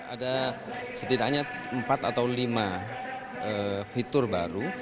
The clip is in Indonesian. ada setidaknya empat atau lima fitur baru